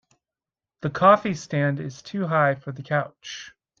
The coffee stand is too high for the couch.